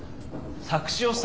作詞をさ。